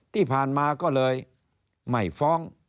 ที่ผ่านมาก็เลยไม่ฟ้อง